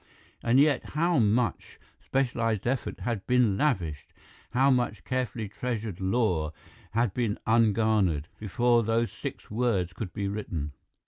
And yet how much specialized effort had been lavished, how much carefully treasured lore had been ungarnered, before those six words could be written.